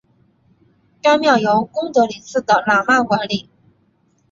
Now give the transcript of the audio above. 该庙由功德林寺的喇嘛管理。